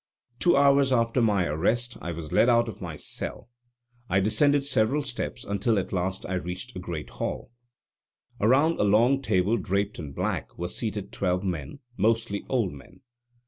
Two hours after my arrest I was led out of my cell. I descended several steps until at last I reached a great hall. Around a long table draped in black were seated twelve men, mostly old men.